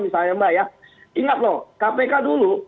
misalnya mbak ya ingat loh kpk dulu